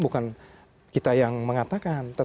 bukan kita yang mengatakan